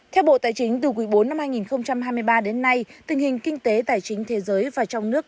theo bộ tài chính từ quý bốn năm hai nghìn hai mươi ba đến nay tình hình kinh tế tài chính thế giới và trong nước